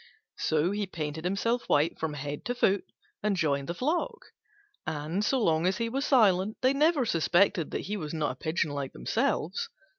So he painted himself white from head to foot and joined the flock; and, so long as he was silent, they never suspected that he was not a pigeon like themselves.